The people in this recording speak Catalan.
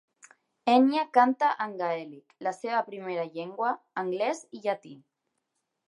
Enya canta en gaèlic, la seva primera llengua, anglès i llatí.